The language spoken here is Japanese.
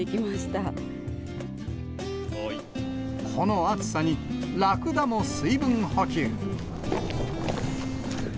この暑さに、らくだも水分補給。